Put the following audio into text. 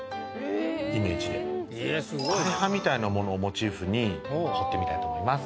枯れ葉みたいなものをモチーフに彫ってみたいと思います。